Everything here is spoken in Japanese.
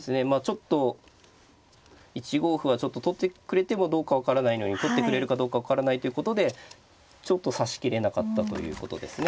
ちょっと１五歩はちょっと取ってくれてもどうか分からないのに取ってくれるかどうか分からないということでちょっと指しきれなかったということですね。